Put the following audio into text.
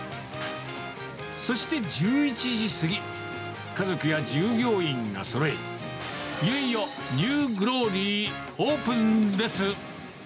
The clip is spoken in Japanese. そして１１時過ぎ、家族や従業員がそろい、いよいよニューグローリー、オープンです。